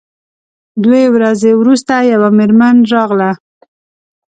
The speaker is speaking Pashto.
دوې ورځې وروسته یوه میرمن راغله.